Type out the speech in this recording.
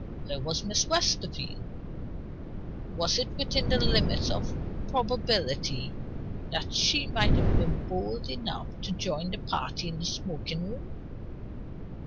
Where was Miss Westerfield? Was it within the limits of probability that she had been bold enough to join the party in the smoking room?